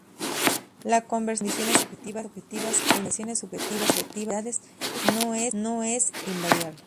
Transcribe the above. La conversión de las condiciones objetivas en identificaciones subjetivas —"comunidades"— no es invariable.